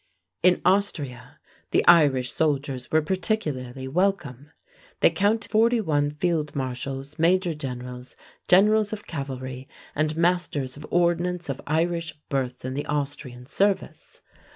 In Austria the Irish soldiers were particularly welcome. They count forty one field marshals, major generals, generals of cavalry, and masters of ordnance of Irish birth in the Austrian service.